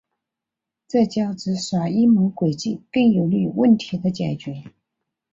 这较之耍阴谋诡计更有利于问题的解决。